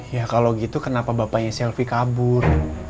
ya kalau gitu kenapa bapaknya selfie kabur